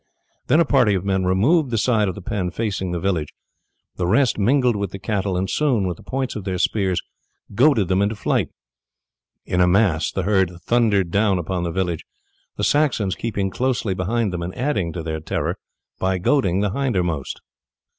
Then a party of men removed the side of the pen facing the village; the rest mingled with the cattle, and soon with the points of their spears goaded them into flight. In a mass the herd thundered down upon the village, the Saxons keeping closely behind them and adding to their terror by goading the hindermost.